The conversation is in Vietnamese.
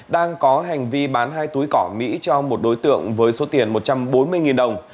đang có hành vi bán hai túi cỏ mỹ cho một đối tượng với số tiền một trăm bốn mươi đồng